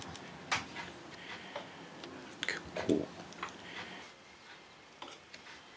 結構。